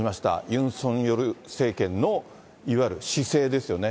ユン・ソンニョル政権のいわゆる姿勢ですよね。